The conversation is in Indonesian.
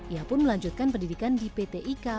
ia pun melanjutkan pendidikan di pt ika